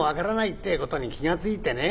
ってぇことに気が付いてね